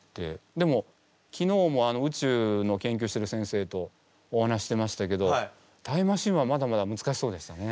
でも昨日も宇宙の研究してる先生とお話してましたけどタイムマシーンはまだまだむずかしそうでしたね。